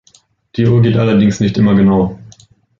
Die Uhr geht allerdings nicht immer genau.